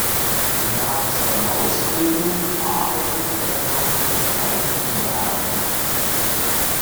Nach seiner Ausbildung arbeitete er dort für einige Jahre.